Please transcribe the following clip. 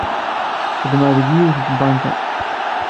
Xeddmeɣ deg yiwet n tbanka.